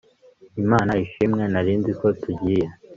imana ishimwe narinzi ko tugiye